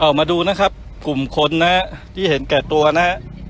เอามาดูนะครับกลุ่มคนนะฮะที่เห็นแก่ตัวนะฮะ